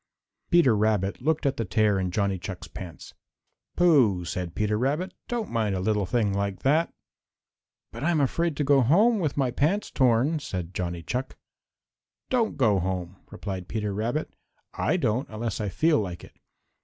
Peter Rabbit looked at the tear in Johnny Chuck's pants. "Pooh!" said Peter Rabbit, "don't mind a little thing like that." "But I'm afraid to go home with my pants torn," said Johnny Chuck. "Don't go home," replied Peter Rabbit. "I don't unless I feel like it.